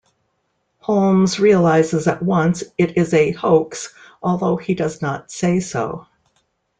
Holmes realises at once it is a hoax although he does not say so.